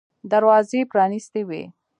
دروازې پرانیستې وې.